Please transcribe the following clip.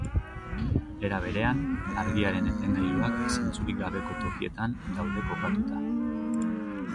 Era berean, argiaren etengailuak zentzurik gabeko tokietan daude kokatuta.